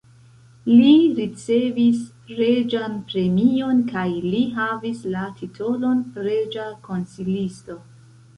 Li ricevis reĝan premion kaj li havis la titolon reĝa konsilisto.